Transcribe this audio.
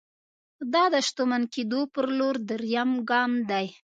دا د شتمن کېدو پر لور درېيم ګام دی.